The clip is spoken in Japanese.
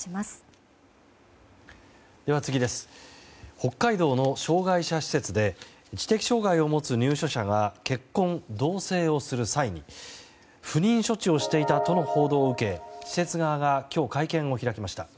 北海道の障害者施設で知的障害を持つ入所者は結婚・同棲をする際に不妊処置をしていたとの報道を受け、施設側が今日、会見を開きました。